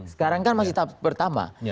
sekarang kan masih tahap pertama